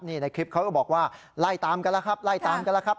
นี่ในคลิปเขาก็บอกว่าไล่ตามกันแล้วครับไล่ตามกันแล้วครับ